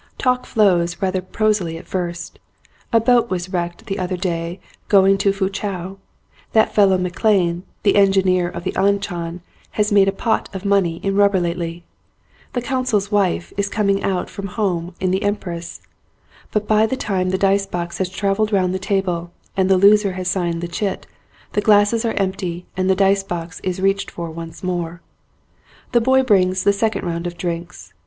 Talk flows rather prosily at first. A boat was wrecked the other day going in to Foochow, that fellow Maclean, the engineer of the An Chan has made a pot of money in rubber lately, the consul's wife is com ing out from home in the Empress; but by the time the dice box has travelled round the table and the loser has signed the chit, the glasses are empty and the dice box is reached for once more. The boy brings the second round of drinks.